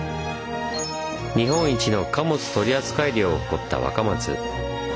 日本一の貨物取扱量を誇った若松。